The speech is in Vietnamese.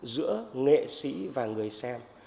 giữa nghệ sĩ và người xem